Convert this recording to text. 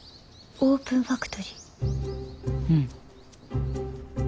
オープンファクトリー。